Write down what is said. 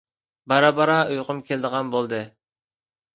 بارا-بارا ئۇيقۇم كېلىدىغان بولدى.